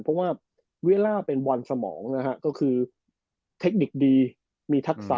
เพราะว่าเวลาเป็นบอลสมองนะฮะก็คือเทคนิคดีมีทักษะ